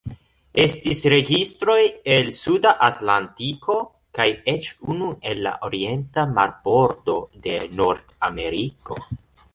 Estis registroj el Suda Atlantiko kaj eĉ unu el la orienta marbordo de Nordameriko.